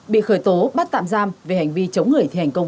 bị khởi tố bắt tạm giam về hành vi chống người